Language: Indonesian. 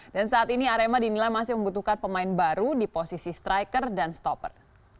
dan saat ini arema dinilai masih membutuhkan pemain baru di posisi striker dan stopper